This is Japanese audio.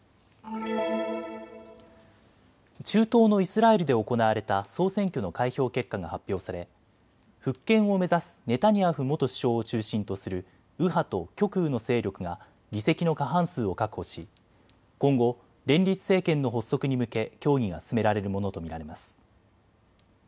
中東のイスラエルで行われた総選挙の開票結果が発表され復権を目指すネタニヤフ元首相を中心とする右派と極右の勢力が議席の過半数を確保し今後、連立政権の発足に向け協議が進められるものと見られます。